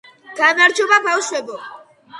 გამარჯობა ბავშვებო